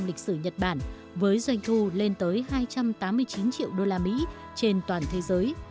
học lịch sử nhật bản với doanh thu lên tới hai trăm tám mươi chín triệu usd trên toàn thế giới